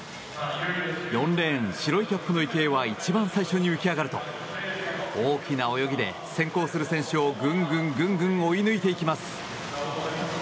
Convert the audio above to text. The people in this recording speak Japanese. ４レーン白いキャップの池江は一番最初に浮き上がると大きな泳ぎで先行する選手を、ぐんぐんぐんぐん追い抜いていきます。